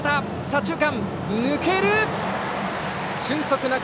左中間を抜けた！